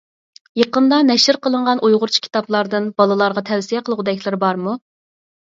يېقىندا نەشر قىلىنغان ئۇيغۇرچە كىتابلاردىن بالىلارغا تەۋسىيە قىلغۇدەكلىرى بارمۇ؟